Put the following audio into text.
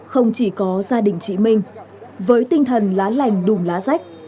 không chỉ có gia đình chị minh với tinh thần lá lành đùm lá rách